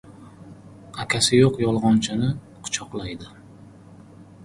• Akasi yo‘q yog‘ochni quchoqlaydi.